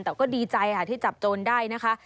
แต่ก็ดีใจค่ะที่จับโจรได้นะคะ